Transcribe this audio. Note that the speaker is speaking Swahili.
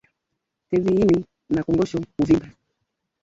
Tezi ini na kongosho kuvimba